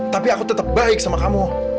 tapi aku tetap baik sama kamu